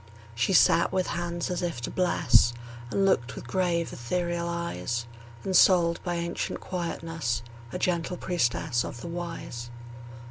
She sat with hands as if to bless, And looked with grave, ethereal eyes; Ensouled by ancient quietness, A gentle priestess of the Wise.